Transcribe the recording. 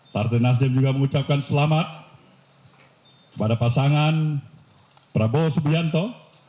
partai nasdeh juga mengucapkan selamat kepada pasangan prabowo selatan